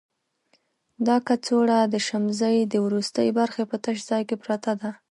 دا کڅوړه د شمزۍ د وروستي برخې په تش ځای کې پرته ده.